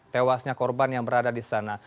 tewasnya korban yang berada di sana